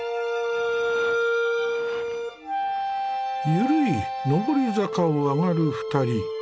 緩い上り坂を上がる２人。